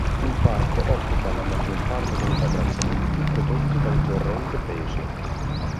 Il parco occupa la maggior parte dei terrazzamenti prodotti dal torrente Pesio.